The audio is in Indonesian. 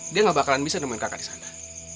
dia tidak akan bisa menemukan kakak di sana